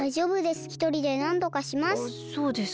ひとりでなんとかします。